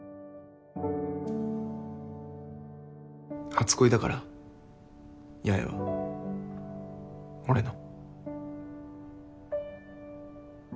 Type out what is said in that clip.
初恋だから八重は俺の。